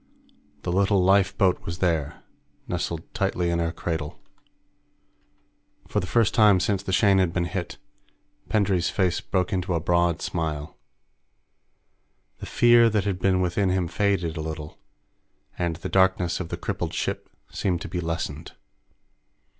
The little lifeboat was there, nestled tightly in her cradle. For the first time since the Shane had been hit, Pendray's face broke into a broad smile. The fear that had been within him faded a little, and the darkness of the crippled ship seemed to be lessened.